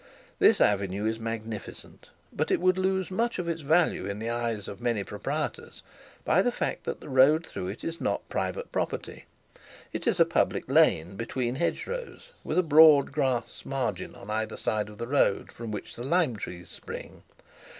This avenue is magnificent, but it would lose much of its value in the eyes of many proprietors, by the fact that the road through it is not private property. It is a public lane between hedgerows, with a broad grass margin on each side of the road, from which the lime trees spring.